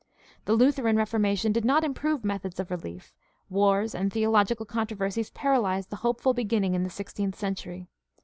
The Lutheran Reformation did not improve methods of relief; wars and theological con troversies paralyzed the hopeful beginning in the sixteenth century.